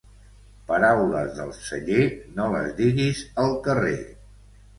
Paraules del celler no les diguis al carrer.